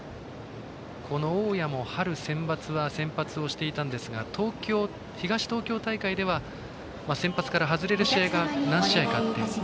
大矢も春センバツは先発をしていたんですが東東京大会では先発から外れる試合も何試合かあって。